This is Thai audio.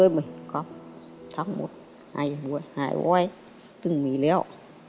หลีบก็ทั้งหมดหายไว้หายไว้ตึงมีแล้ว